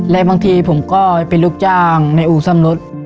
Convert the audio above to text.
และบางทีผมก็ไปลูกจ้างในอุทสรรมรถ